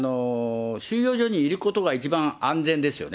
収容所にいることが一番安全ですよね。